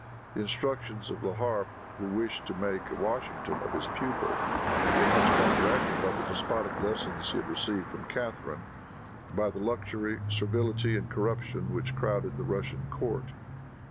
The instructions of Laharpe, who wished to make a Washington of his pupil, were much counteracted by the despotic lessons he had received from Catharine, and by the luxury, servility and corruption which crowded the Russian court.